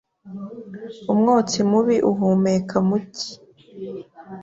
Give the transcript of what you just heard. Umwotsi mubi uhumeka mu cyi